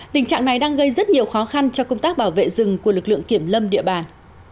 tình trạng này đang gây rất nhiều khó khăn cho công tác bảo vệ rừng của lực lượng kiểm lâm địa bàn